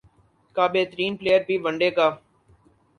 کا بہترین پلئیر بھی ون ڈے کا